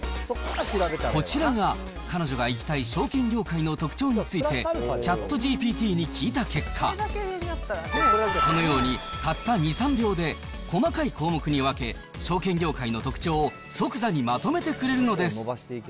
こちらが、彼女が行きたい証券業界の特徴について、ＣｈａｔＧＰＴに聞いた結果、このように、たった２、３秒で細かい項目に分け、証券業界の特徴を即座にまとめてくれるのです。